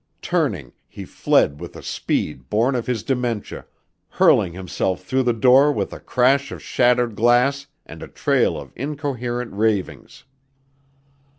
Turning, he fled with a speed born of his dementia, hurling himself through the door with a crash of shattered glass and a trail of incoherent ravings.